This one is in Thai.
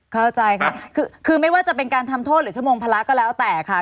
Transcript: เข้าใจค่ะคือไม่ว่าจะเป็นการทำโทษหรือชั่วโมงภาระก็แล้วแต่ค่ะ